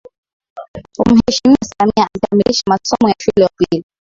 Mheshimiwa Samia alikamilisha masomo ya shule ya upili